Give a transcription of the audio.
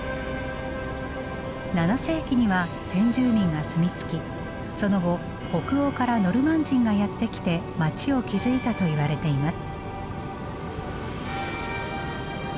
７世紀には先住民が住み着きその後北欧からノルマン人がやって来て街を築いたといわれています。